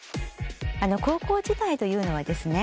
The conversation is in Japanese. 高校時代というのはですね